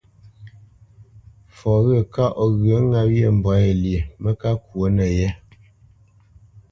Fɔ wyə̂ kaʼ o ghyə ŋâ wyê mbwǎ yé lyê mə́ ká ŋkwǒ nəyé.